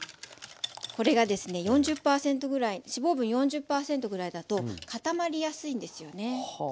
これがですね４０％ぐらい脂肪分４０％ぐらいだと固まりやすいんですよね。